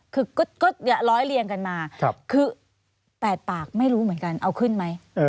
คือก็ร้อยเรียงกันมาคือ๘ปากไม่รู้เหมือนกันเอาขึ้นไหม